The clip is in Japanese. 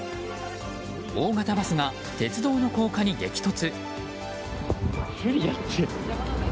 大型バスが鉄道の高架に激突。